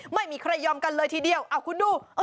ไม่มีใครยอมกันเลยทีเดียวคุณดู